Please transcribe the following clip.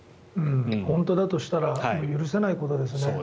本当だとしたら許せないことですね。